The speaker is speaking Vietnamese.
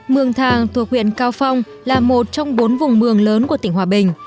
mường thàng thuộc huyện cao phong là một trong bốn vùng mường lớn của tỉnh hòa bình